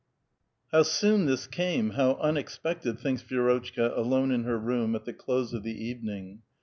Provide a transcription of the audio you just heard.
'' How soon this came, how unexpected," thinks Vi^rotchka alone in her room at the close of the evening.